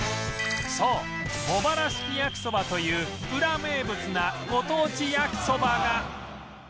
そう茂原式焼きそばというウラ名物なご当地焼きそばが！